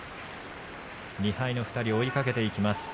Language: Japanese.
２敗の２人を追いかけていきます。